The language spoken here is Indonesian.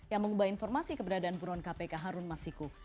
yang mengubah informasi keberadaan buron kpk harun masiku